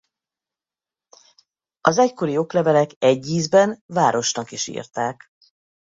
Az egykori oklevelek egy ízben városnak is írták.